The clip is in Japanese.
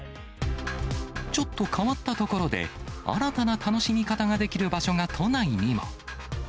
ちょっと変わったところで、新たな楽しみ方ができる場所が都内にも。